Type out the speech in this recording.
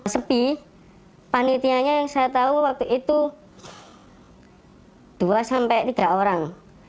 sepi panitianya yang saya tahu waktu itu dua sampai tiga orang